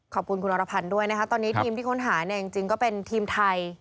ขอบคุณคุณอรพันธ์ด้วยนะคะตอนนี้ทีมที่ค้นหาเนี่ยจริงก็เป็นทีมไทย